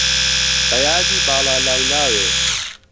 به یادی باڵا لاولاوێ